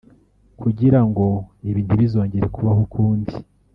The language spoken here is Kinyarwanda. Kugira ngo ibi ntibizongere kubaho ukundi